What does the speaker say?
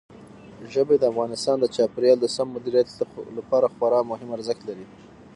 ژبې د افغانستان د چاپیریال د سم مدیریت لپاره خورا مهم ارزښت لري.